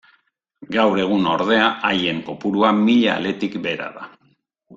Gaur egun ordea haien kopurua mila aletik behera da.